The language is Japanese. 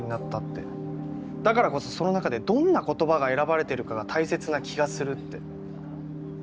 だからこそその中でどんな言葉が選ばれているかが大切な気がするって。